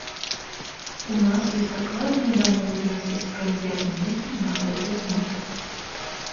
У нас ёсць дакладныя дамоўленасці з прэм'ер-міністрам на гэты конт.